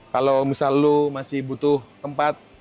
kalau misal lo masih butuh tempat